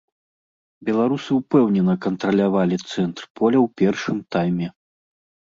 Беларусы ўпэўнена кантралявалі цэнтр поля ў першым тайме.